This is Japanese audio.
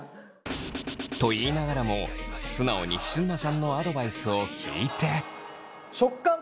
と言いながらも素直に菱沼さんのアドバイスを聞いて。